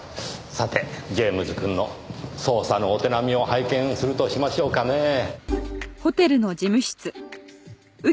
さてジェームズくんの捜査のお手並みを拝見するとしましょうかねぇ。